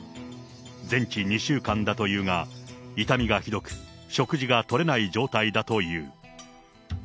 全治２週間だというが、痛みがひどく、食事がとれない状態だという。